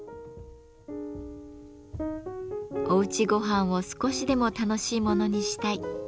おうちごはんを少しでも楽しいものにしたい。